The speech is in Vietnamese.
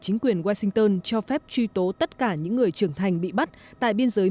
chính quyền washington cho phép truy tố tất cả những người trưởng thành bị bắt tại biên giới